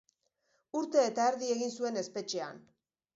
Urte eta erdi egin zuen espetxean.